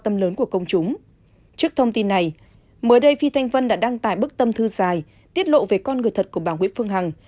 mới đây phi thanh vân đã đăng tải bức tâm thư dài tiết lộ về con người thật của bà nguyễn phương hằng